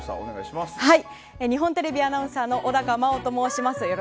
日本テレビアナウンサーの小高茉緒と申します。